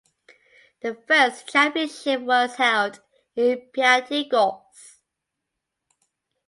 The first championship was held in Pyatigorsk.